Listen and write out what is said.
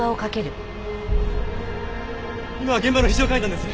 今現場の非常階段です。